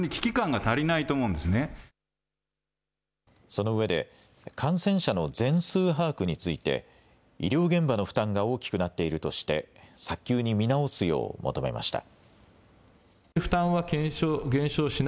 そのうえで感染者の全数把握について医療現場の負担が大きくなっているとして早急に見直すよう求めました。